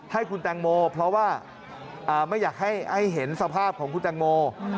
ให้คุณแตงโมเพราะว่าไม่อยากให้เห็นสภาพของคุณแตงโม